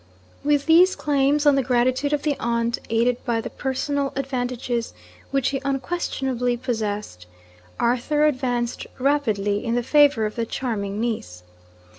With these claims on the gratitude of the aunt, aided by the personal advantages which he unquestionably possessed, Arthur advanced rapidly in the favour of the charming niece.